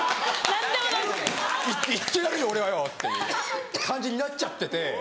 「行ってやる俺はよ！」っていう感じになっちゃってて。